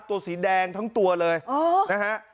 สีแดงทั้งตัวเลยนะฮะ